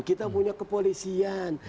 kita punya kepolisian